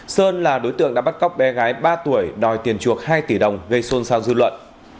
sơn là đối tượng đã bắt cóc bé gái ba tuổi đòi tiền chuộc hai tỷ đồng gây xôn xao dư luận